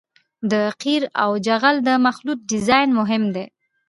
د قیر او جغل د مخلوط ډیزاین مهم دی